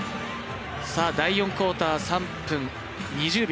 第４クオーター、３分２０秒。